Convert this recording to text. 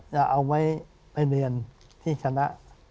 จะเอาไว้ไปเรียนที่ชนะ